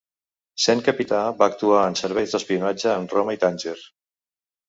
Sent capità va actuar en serveis d'espionatge en Roma i Tànger.